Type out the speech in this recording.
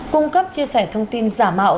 cung cấp chia sẻ thông tin giả mạo